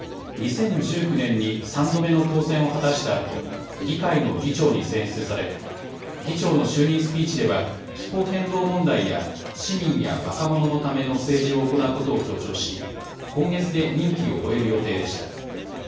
２０１９年に３度目の当選を果たしたあと、議会の議長に選出され、議長の就任スピーチでは、気候変動問題や市民や若者のための政治を行うことを強調し、今月で任期を終える予定でした。